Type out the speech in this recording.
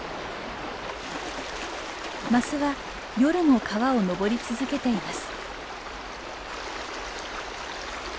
マスは夜も川を上り続けています。